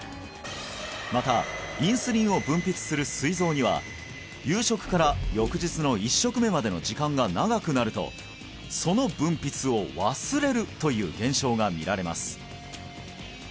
またインスリンを分泌するすい臓には夕食から翌日の１食目までの時間が長くなるとその分泌を忘れるという現象が見られます